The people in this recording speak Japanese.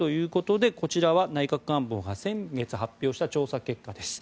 こちらは内閣官房が先月発表した調査結果です。